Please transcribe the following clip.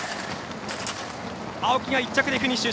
青木が１着でフィニッシュ。